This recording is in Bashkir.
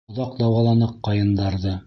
Оҙаҡ дауаланыҡ ҡайындарҙы.